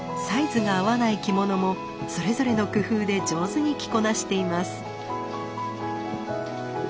サイズが合わない着物もそれぞれの工夫で上手に着こなしています。